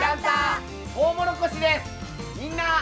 みんな！